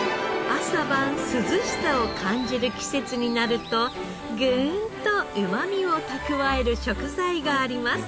朝晩涼しさを感じる季節になるとぐーんとうまみを蓄える食材があります。